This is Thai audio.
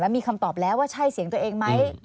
มีคำตอบแล้วว่าใช่เสียงตัวเองไหม